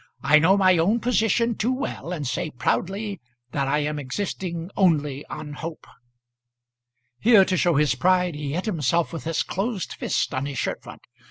I know my own position too well, and say proudly that I am existing only on hope." Here, to show his pride, he hit himself with his closed fist on his shirt front.